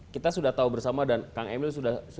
kita sudah tahu bersama dan kang emil sudah